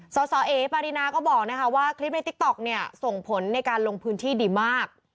สสเอปารินาก็บอกว่าคลิปในติ๊กต๊อกเนี่ยส่งผลในการลงพื้นที่ดีมาก